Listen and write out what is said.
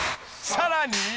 ［さらに］